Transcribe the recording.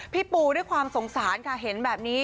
ปูด้วยความสงสารค่ะเห็นแบบนี้